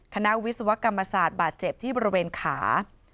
คณะวิศวกรรมศาสตร์บาดเจ็บที่บริเวณขา